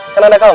kan ada kamu